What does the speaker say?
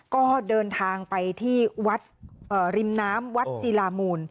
ก็เดินทางไปที่วัดริมน้ำวัดศิลามูล